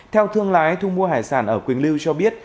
theo thương lái thu mua hải sản ở quỳnh lưu cho biết